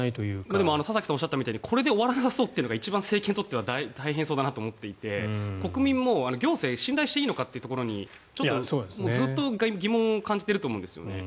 でも田崎さんがおっしゃったようにこれで終わらなさそうというのが政権にとっては大変そうだなと思っていて国民も行政を信頼していいのかというところにずっと疑問を感じていると思うんですよね。